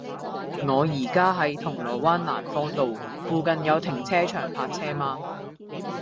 我依家喺銅鑼灣蘭芳道，附近有停車場泊車嗎